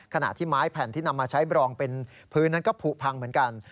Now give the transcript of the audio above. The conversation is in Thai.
ขณะที่ไม้แผ่นที่นำมาใช้บรองเป็นพื้นนั้นก็ผูกพังเหมือนกัน